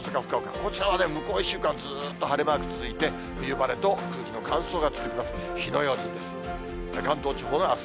こちらは向こう１週間、ずっと晴れマーク続いて、冬晴れと空気の乾燥が続きます。